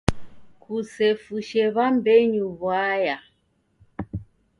Kusefushe w'ambenyu w'uaya.